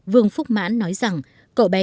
vương phúc mãn nói rằng cậu bé